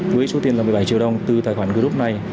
với số tiền là một mươi bảy triệu đồng từ tài khoản group này